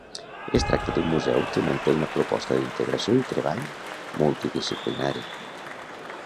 Es tracta d'un museu que manté una proposta d'integració i treball multidisciplinari.